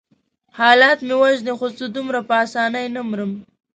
حالات مې وژني خو زه دومره په آسانۍ نه مرم.